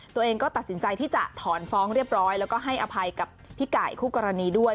ตัวเองก็ตัดสินใจที่จะถอนฟ้องเรียบร้อยแล้วก็ให้อภัยกับพี่ไก่คู่กรณีด้วย